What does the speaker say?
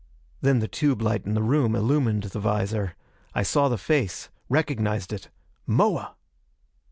Then the tube light in the room illumined the visor. I saw the face, recognized it. Moa!